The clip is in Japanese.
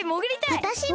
わたしも！